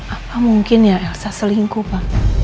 apa mungkin ya elsa selingkuh pak